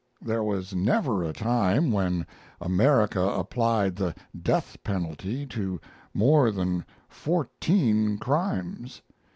There was never a time when America applied the death penalty to more than fourteen crimes.